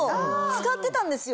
使ってたんですよ！